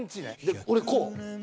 で俺こう。